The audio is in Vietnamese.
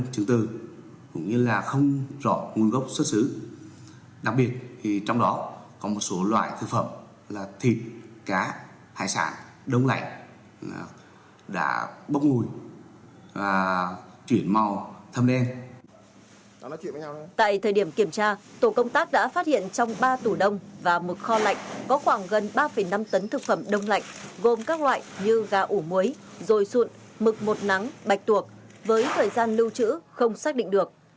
có khoảng gần ba năm tấn thực phẩm đông lạnh gồm các loại như gà ủ muối dồi xuộn mực một nắng bạch tuộc với thời gian lưu trữ không xác định được